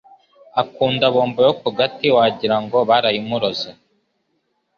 Akunda bombo yo kugati wajyirango barayimuroze